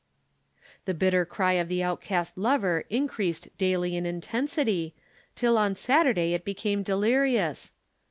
"The bitter cry of the outcast lover increased daily in intensity, till on Saturday it became delirious.